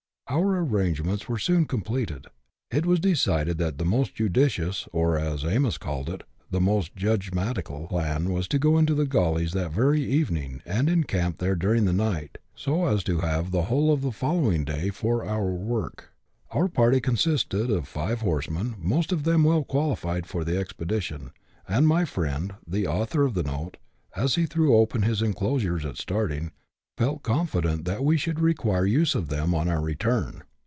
Our arrangements were soon completed. It was decided that the most judicious, or, as Amos called it, the most "judgematical " plan, was to go into the gullies that very evening, and encamp there during the night, so as to have the whole of the following day for our work. Our party consisted of five horsemen, most of them well qualified for t]|e expedition ; and my friend, the author of the note, as he threw open his enclosures at starting, felt con fident that we should require the use of them on our return.